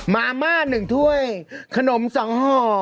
มาม่า๑ถ้วยขนม๒ห่อ